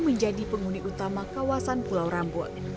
menjadi penghuni utama kawasan pulau rambut